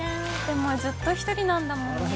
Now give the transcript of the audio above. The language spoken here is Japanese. でもずっと一人なんだもんね。